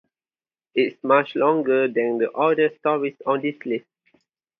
It’s much longer than the other stories on this list.